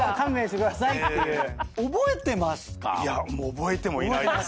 覚えてもいないです。